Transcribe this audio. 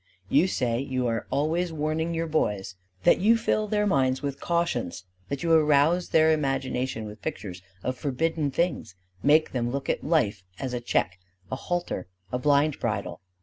You say you are always warning your boys; that you fill their minds with cautions; that you arouse their imagination with pictures of forbidden things; make them look at life as a check, a halter, a blind bridle.